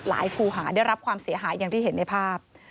ครูหาได้รับความเสียหายอย่างที่เห็นในภาพ